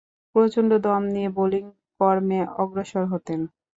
প্রচণ্ড দম নিয়ে বোলিং কর্মে অগ্রসর হতেন।